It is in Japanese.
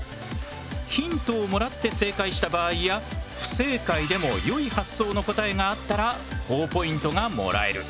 ヒントをもらって正解した場合や不正解でも良い発想の答えがあったらほぉポイントがもらえる。